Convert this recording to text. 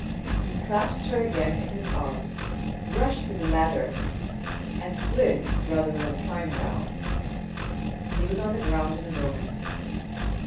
He clasped her again in his arms, rushed on to the ladder, and slid, rather than climbed down ; he was on the ground in a moment.